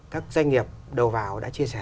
các doanh nghiệp đầu vào đã chia sẻ